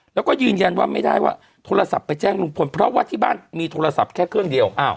แล้วก็ยืนยันว่าไม่ได้ว่าโทรศัพท์ไปแจ้งลุงพลเพราะว่าที่บ้านมีโทรศัพท์แค่เครื่องเดียว